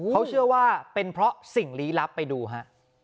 เขาเชื่อว่าเป็นเพราะสิ่งลี้ลับไปดูฮะ